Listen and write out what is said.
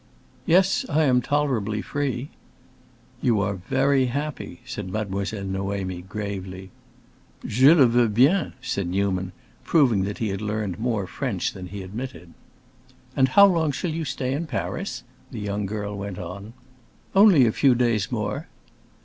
"Yes, I am tolerably free." "You are very happy," said Mademoiselle Noémie, gravely. "Je le veux bien!" said Newman, proving that he had learned more French than he admitted. "And how long shall you stay in Paris?" the young girl went on. "Only a few days more."